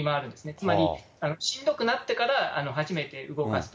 つまり、しんどくなってから初めて動かすと。